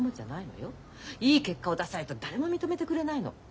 いい結果を出さないと誰も認めてくれないの。